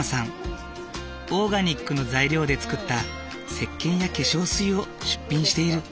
オーガニックの材料で作ったせっけんや化粧水を出品している。